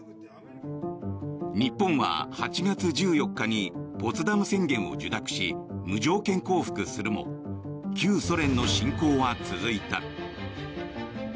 日本は８月１４日にポツダム宣言を受諾し無条件降伏するも旧ソ連の侵攻は続いた。